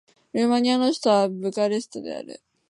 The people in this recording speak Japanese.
ルーマニアの首都はブカレストである